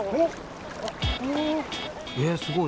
えすごい。